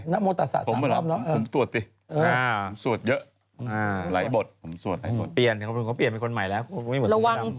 ระวังปลายปีเรื่องอะไรคะจันทร์